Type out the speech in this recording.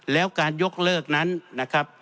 แล้วการยกเลิกนั้นนะครับ